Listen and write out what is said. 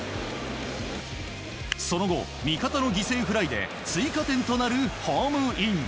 その後、味方の犠牲フライで追加点となるホームイン。